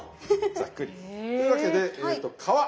ざっくり。というわけでえと皮。